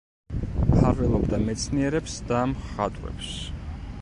მფარველობდა მეცნიერებს და მხატვრებს.